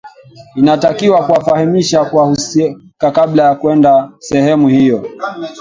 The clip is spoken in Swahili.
inatakiwa kuwafahamisha wahusika kabla ya kwenda sehemu hiyo